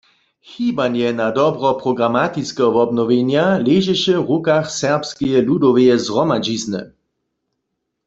Hibanje na dobro programatiskeho wobnowjenja ležeše w rukach Serbskeje ludoweje zhromadźizny.